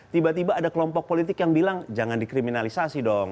tiba tiba ada kelompok politik yang bilang jangan dikriminalisasi dong